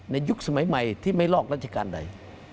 ยุคสมัยใหม่ที่ไม่ลอกราชการใด